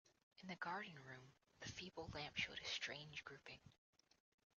In the garden-room the feeble lamp showed a strange grouping.